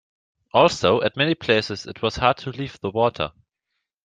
Also, at many places it was hard to leave the water.